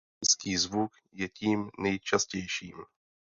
Nízký zvuk je tím nejčastějším.